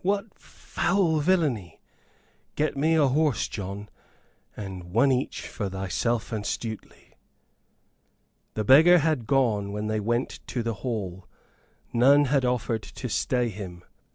What foul villainy! Get me a horse, John, and one each for thyself and Stuteley." The beggar had gone when they went to the hall. None had offered to stay him.